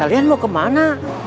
kalian mau kemana